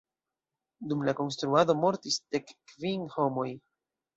Dum la konstruado mortis dek kvin homoj.